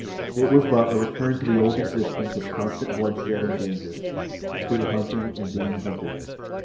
It was but a return to the old existence of constant bloodshed and danger—to the hunting and the being hunted.